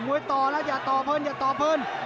มวยต่อนะอย่าต่อเพลินอย่าต่อเพลิน